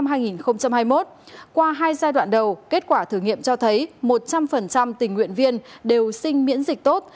qua hai giai đoạn đầu kết quả thử nghiệm cho thấy một trăm linh tình nguyện viên đều sinh miễn dịch tốt